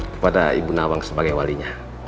kepada ibu nawang sebagai walinya